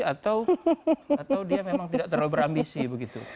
atau dia memang tidak terlalu berambisi begitu